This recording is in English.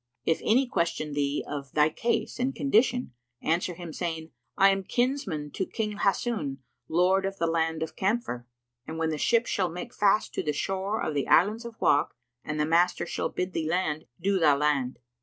If any question thee of thy case and condition, answer him saying, 'I am kinsman to King Hassun, Lord of the Land of Camphor;' and when the ship shall make fast to the shore of the Islands of Wak and the master shall bid thee land, do thou land.